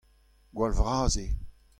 Gwall vras eo.